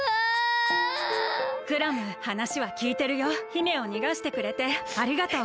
姫をにがしてくれてありがとう。